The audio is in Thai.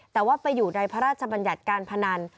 แต่ว่าไปอยู่ในพระราชบัญญัติการพนัน